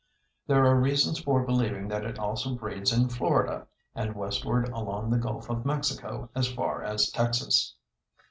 There are reasons for believing that it also breeds in Florida and westward along the Gulf of Mexico as far as Texas.